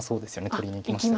取りにいきました。